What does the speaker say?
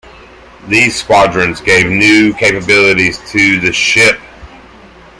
These squadrons gave new capabilities to the ship.